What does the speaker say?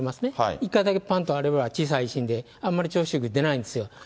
一回だけぱんと割れれば、小さい地震で、あんまり調子よく出ないんですよ。